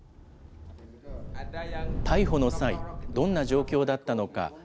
逮捕の際、どんな状況だったのか。